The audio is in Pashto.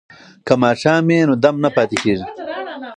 که ماښام وي نو دم نه پاتې کیږي.